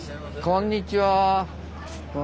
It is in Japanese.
こんにちは。